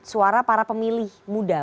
suara para pemilih muda